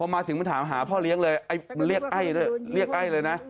พอมาถึงมันถามหาพ่อเลี้ยงเลยเรียกไอ้เลยนะ